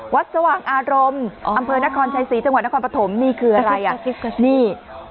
สว่างอารมณ์อำเภอนครชัยศรีจังหวัดนครปฐมนี่คืออะไรอ่ะนี่